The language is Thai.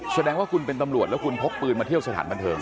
แสดงว่าคุณเป็นตำรวจแล้วคุณพกปืนมาเที่ยวสถานบันเทิง